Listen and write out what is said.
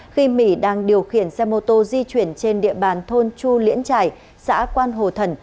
khi mỹ đang điều khiển xe mô tô di chuyển trên địa bàn thôn chu liễn trải xã quan hồ thần